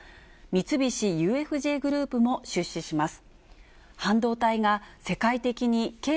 三菱ＵＦＪグループも出資します。